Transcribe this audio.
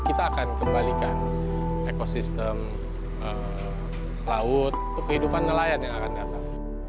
kita akan kembalikan ekosistem laut atau kehidupan nelayan yang akan datang